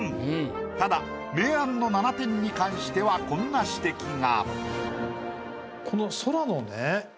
ただ明暗の７点に関してはこんな指摘が。